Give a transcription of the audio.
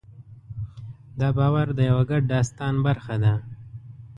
دا باور د یوه ګډ داستان برخه ده.